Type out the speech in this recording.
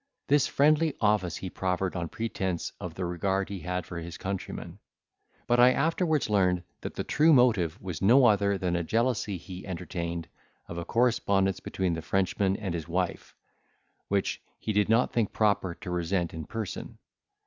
This friendly office he proffered on pretence of the regard he had for his countrymen; but I afterwards learned the true motive was no other than a jealousy he entertained of a correspondence between the Frenchman and his wife, which he did not think proper to resent in person.